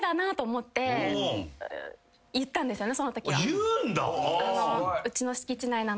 言うんだ！